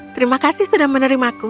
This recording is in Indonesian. terima kasih sudah menerimaku